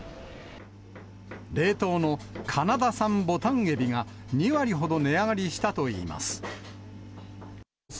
冷凍のカナダ産ボタンエビが、２割ほど値上がりしたといいます。